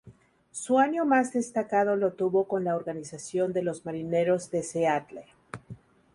Su año más destacado lo tuvo con la organización de los Marineros de Seattle.